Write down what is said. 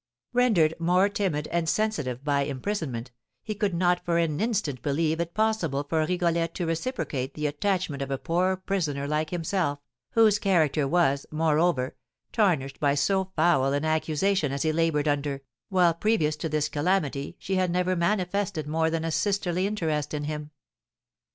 Rendered more timid and sensitive by imprisonment, he could not for an instant believe it possible for Rigolette to reciprocate the attachment of a poor prisoner like himself, whose character was, moreover, tarnished by so foul an accusation as he laboured under, while previous to this calamity she had never manifested more than a sisterly interest in him.